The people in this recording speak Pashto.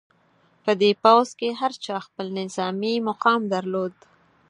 په دې پوځ کې هر چا خپل نظامي مقام درلود.